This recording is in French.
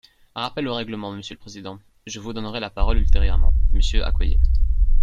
Rappel au règlement, monsieur le président ! Je vous donnerai la parole ultérieurement, monsieur Accoyer.